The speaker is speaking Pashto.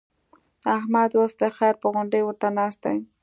احمد اوس د خير پر غونډۍ ورته ناست دی.